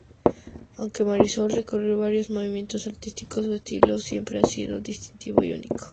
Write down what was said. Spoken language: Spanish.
Aunque Marisol recorrió varios movimientos artísticos, su estilo siempre ha sido distintivo y único.